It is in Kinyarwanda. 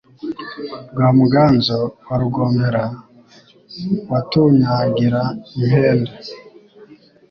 Rwa Muganza wa Rugombera Watunyagira impenda